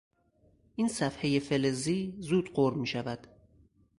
این صفحهی فلزی زود غر میشود.